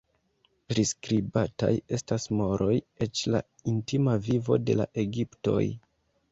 Priskribataj estas moroj, eĉ la intima vivo de la egiptoj.